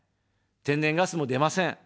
天然ガスも出ません。